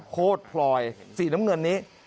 โคตรพลอยสีน้ำเงินนี้